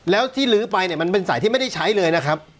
แล้วที่ลื้อไปเนี่ยมันเป็นสายที่ไม่ได้ใช้เลยนะครับ